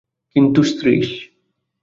কিন্তু– শ্রীশ।